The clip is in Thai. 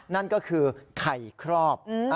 นั่นก็คือไข่ครอบ